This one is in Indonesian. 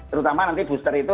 terutama nanti booster itu